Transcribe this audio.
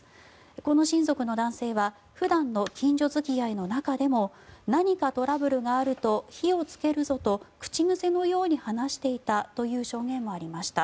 この親族の男性は普段の近所付き合いの中でも何かトラブルがあると火をつけるぞと口癖のように話していたという証言もありました。